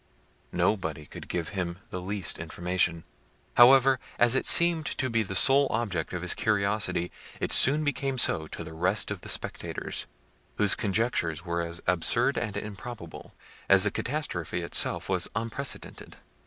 Nobody could give him the least information. However, as it seemed to be the sole object of his curiosity, it soon became so to the rest of the spectators, whose conjectures were as absurd and improbable, as the catastrophe itself was unprecedented.